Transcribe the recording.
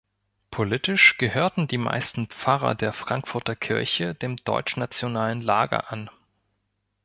Politisch gehörten die meisten Pfarrer der Frankfurter Kirche dem deutschnationalen Lager an.